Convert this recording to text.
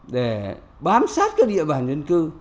để bám sát các địa bản dân cư